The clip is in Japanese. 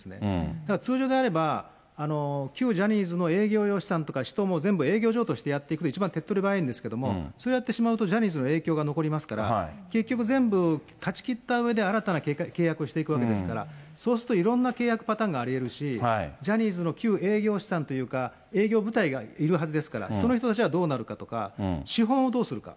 だから通常であれば、旧ジャニーズの営業用資産とか人も全部営業譲渡してやっていくのが一番手っ取り早いんですけれども、そうやってしまうとジャニーズの影響が残りますから、結局全部断ち切ったうえで、新たな契約をしていくわけですから、そうするといろんな契約パターンがありえるし、ジャニーズの旧営業資産というか、営業部隊がいるはずですから、その人たちはどうなるかとか、資本をどうするか。